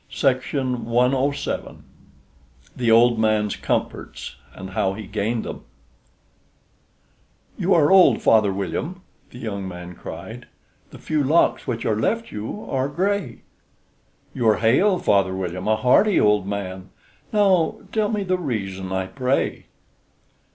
JANE TAYLOR THE OLD MAN'S COMFORTS, AND HOW HE GAINED THEM "You are old, Father William," the young man cried; "The few locks which are left you are gray; You are hale, Father William a hearty old man: Now tell me the reason, I pray."